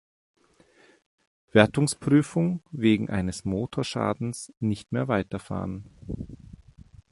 Wertungsprüfung wegen eines Motorschadens nicht mehr weiterfahren.